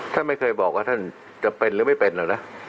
ท่านไม่เคยบอกว่าท่านจะเป็นหรือไม่เป็นหรอกนะ